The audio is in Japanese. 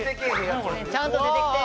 ちゃんと出てきて！